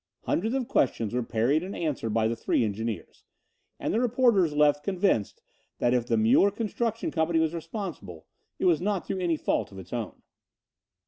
Hundreds of questions were parried and answered by the three engineers, and the reporters left convinced that if the Muller Construction Company was responsible, it was not through any fault of its own.